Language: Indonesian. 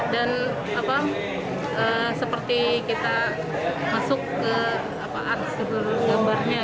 dan seperti kita masuk ke artis gambarnya